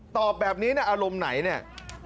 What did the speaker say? ตอบแบบนี้นะอารมณ์ไหนเนี่ย